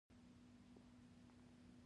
سپین ږیری سکاټ هم پر دې موضوع پوهېده